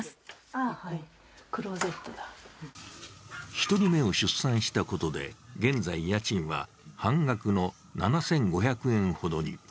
１人目を出産したことで現在、家賃は半額の７５００円ほどに。